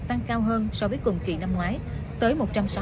tăng cao hơn so với cùng kỳ năm ngoái tới một trăm sáu mươi